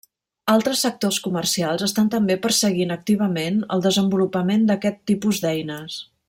Altres sectors comercials estan també perseguint activament el desenvolupament d'aquest tipus d'eines.